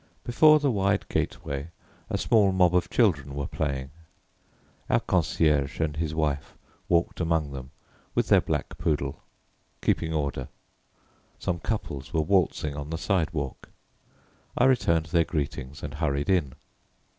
Before the wide gateway a small mob of children were playing. Our concierge and his wife walked among them, with their black poodle, keeping order; some couples were waltzing on the side walk. I returned their greetings and hurried in.